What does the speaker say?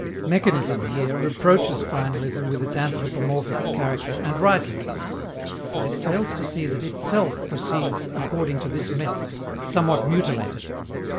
Mechanism, here, reproaches finalism with its anthropomorphic character, and rightly. But it fails to see that itself proceeds according to this method somewhat mutilated!